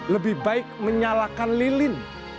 lebih baik menyalakan lilin